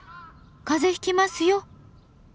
風邪ひきますよ！